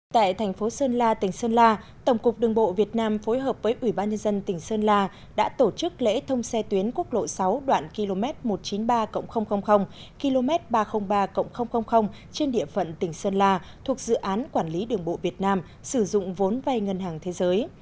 tại thành phố sơn la tỉnh sơn la tổng cục đường bộ việt nam phối hợp với ủy ban nhân dân tỉnh sơn la đã tổ chức lễ thông xe tuyến quốc lộ sáu đoạn km một trăm chín mươi ba km ba trăm linh ba trên địa phận tỉnh sơn la thuộc dự án quản lý đường bộ việt nam sử dụng vốn vay ngân hàng thế giới